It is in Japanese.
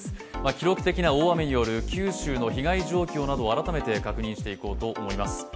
記録的な大雨による九州の被害状況などを改めて確認していこうと思います。